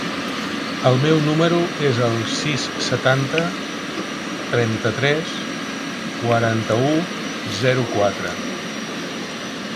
El meu número es el sis, setanta, trenta-tres, quaranta-u, zero, quatre.